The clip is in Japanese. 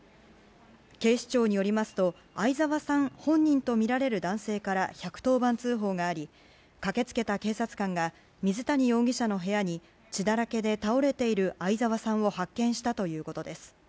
警視庁によりますと相沢さん本人とみられる男性から１１０番通報があり駆けつけた警察官が水谷容疑者の部屋に血だらけで倒れている相沢さんを発見したということです。